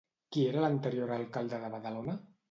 Qui era l'anterior alcalde de Badalona?